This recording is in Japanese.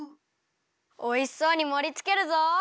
おいしそうにもりつけるぞ！